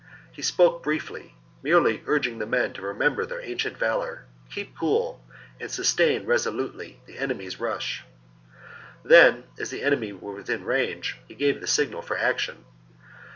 He spoke briefly, merely urging the men to re member their ancient valour, keep cool, and sustain resolutely the enemy's rush ; then, as the enemy were within range, he gave the signal for action.